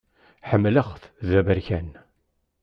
Ḥemmleɣ-t d aberkan.